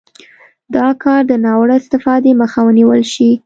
دا کار د ناوړه استفادې مخه ونیول شي.